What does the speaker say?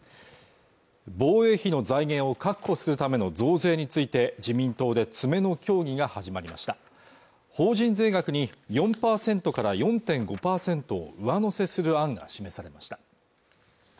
防衛費の財源を確保するための増税について自民党で詰めの協議が始まりました法人税額に４％から４．５％を上乗せする案が示されました